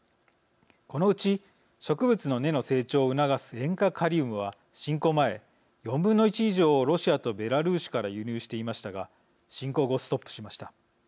このうち、植物の根の成長を促す塩化カリウムは侵攻前４分の１以上をロシアとベラルーシから輸入していましたが侵攻後、ストップしました。